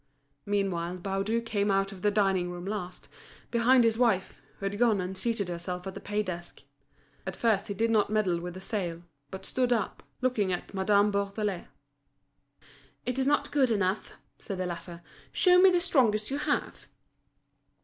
Meanwhile Baudu came out of the dining room last, behind his wife, who had gone and seated herself at the pay desk. At first he did not meddle with the sale, but stood up, looking at Madame Bourdelais. "It is not good enough," said the latter. "Show me the strongest you have."